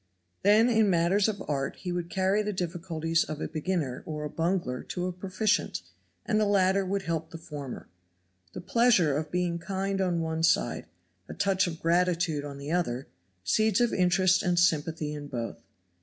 Then in matters of art he would carry the difficulties of a beginner or a bungler to a proficient, and the latter would help the former. The pleasure of being kind on one side, a touch of gratitude on the other, seeds of interest and sympathy in both.